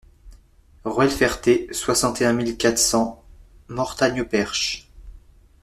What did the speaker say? Ruelle Ferté, soixante et un mille quatre cents Mortagne-au-Perche